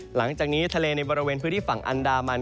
หลังจากนี้ทะเลในบริเวณพื้นที่ฝั่งอันดามัน